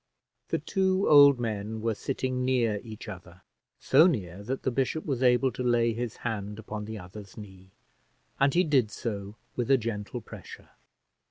The two old men were sitting near each other, so near that the bishop was able to lay his hand upon the other's knee, and he did so with a gentle pressure.